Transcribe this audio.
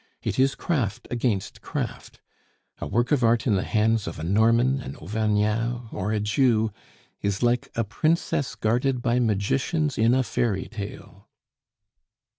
It is craft against craft! A work of art in the hands of a Norman, an Auvergnat, or a Jew, is like a princess guarded by magicians in a fairy tale."